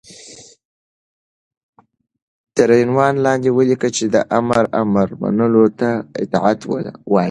تر عنوان لاندې وليكه چې دآمر امر منلو ته اطاعت وايي